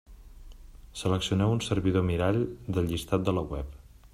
Seleccioneu un servidor mirall del llistat de la web.